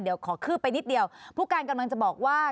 เดี๋ยวขอคืบไปนิดเดียวผู้การกำลังจะบอกว่า